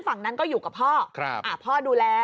ฝั่งนั้นก็อยู่กับพ่อพ่อดูแล